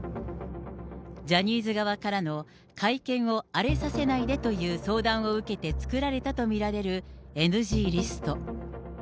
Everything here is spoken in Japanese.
ジャニーズ側からの、会見を荒れさせないでという相談を受けて作られたと見られるＮＧリスト。